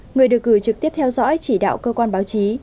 người được gửi trực tiếp theo dõi chỉ đạo cơ quan báo chí